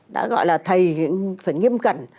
đã gọi là thầy phải nghiêm cận